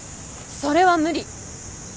それは無理！